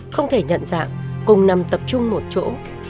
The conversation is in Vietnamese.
không thể nhận dạng cùng nằm tập trung một chỗ